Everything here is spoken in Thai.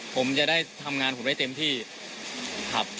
ผมจะได้ทำงานผมได้เต็มที่ครับ